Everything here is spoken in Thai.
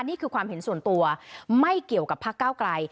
นี่คือความเห็นส่วนตัวไม่เกี่ยวกับพักเก้าไกล